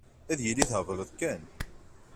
Ad yili thebleḍ kan.